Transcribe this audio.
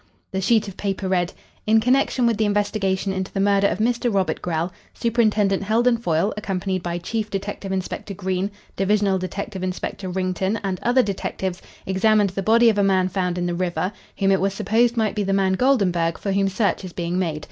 The sheet of paper read "In connection with the investigation into the murder of Mr. Robert Grell, Superintendent Heldon Foyle, accompanied by Chief Detective Inspector Green, Divisional Detective Inspector Wrington, and other detectives, examined the body of a man found in the river, whom it was supposed might be the man Goldenburg, for whom search is being made.